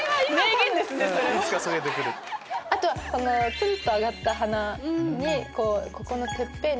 ツンと上がった鼻にここのてっぺんに。